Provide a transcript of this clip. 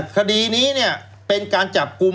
คดีนี้เป็นการจับกลุ่ม